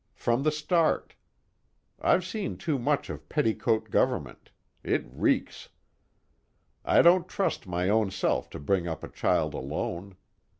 From the start. I've seen too much of petticoat government it reeks. I don't trust my own self to bring up a child alone.